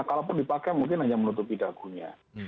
kalaupun dipakai mungkin hanya menutupi dagunya